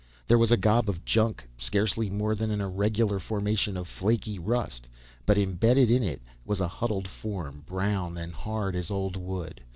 There was a gob of junk scarcely more than an irregular formation of flaky rust. But imbedded in it was a huddled form, brown and hard as old wood.